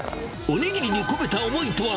おにぎりに込めた思いとは。